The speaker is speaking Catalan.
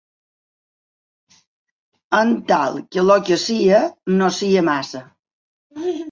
Amb tal que lo que sia no sia massa.